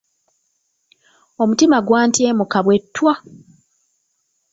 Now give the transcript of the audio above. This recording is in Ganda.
Omutima gwantyemuka bwe ttwa.